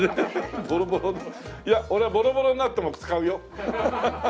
いや俺はボロボロになっても使うよ。